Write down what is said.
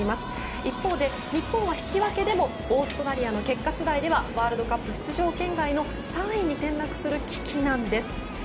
一方、日本は引き分けでもオーストラリアの結果次第ではワールドカップ出場圏外の３位に転落する危機なんです。